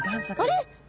あれ？